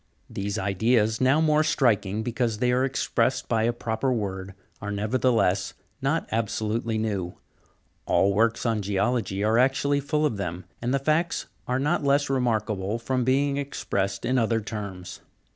These ideas, now more striking, because they are expressed by a proper word, are nevertheless not absolutely new; all works on geology are actually full of them, and the facts are not less remarkable from being expressed in other terms.